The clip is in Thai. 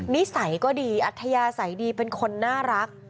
นิสัยก็ดีอัธยาศัยดีเป็นคนน่ารัก